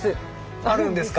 あるんですか？